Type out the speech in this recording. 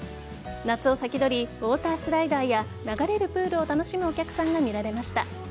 夏を先取りウォータースライダーや流れるプールを楽しむお客さんが見られました。